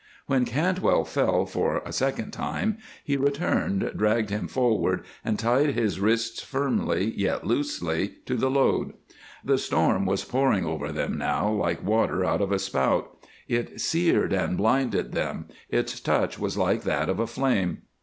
When Cantwell fell, for a second time, he returned, dragged him forward, and tied his wrists firmly, yet loosely, to the load. The storm was pouring over them now, like water out of a spout; it seared and blinded them; its touch was like that of a flame.